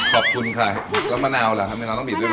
ขอบคุณค่ะแล้วมะนาวล่ะครับแม่นาวต้องบีบด้วย